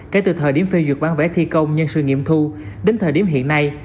kể từ thời điểm phê duyệt bán vẽ thi công nhân sự nghiệm thu đến thời điểm hiện nay